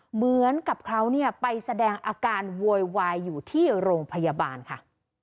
เหมือนกับเขาเนี่ยไปแสดงอาการโวยวายอยู่ที่โรงพยาบาลค่ะ